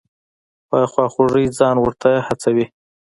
په خواخوږۍ ځان ورته هڅوي.